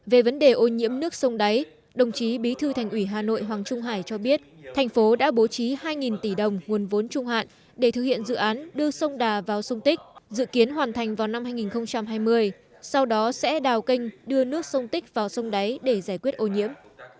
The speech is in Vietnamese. về vấn đề ô nhiễm nước sông đáy đồng chí bí thư thành ủy hà nội hoàng trung hải cho biết thành phố đã bố trí hai tỷ đồng nguồn vốn trung hạn để thực hiện dự án đưa sông đà vào sông tích dự kiến hoàn thành vào năm hai nghìn hai mươi sau đó sẽ đào kênh đưa nước sông tích vào sông đáy để giải quyết ô nhiễm